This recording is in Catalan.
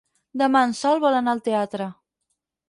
Demà en Sol vol anar al teatre.